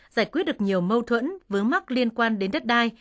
giải quyết được nhiều mâu thuẫn vướng mắc liên quan đến đất đai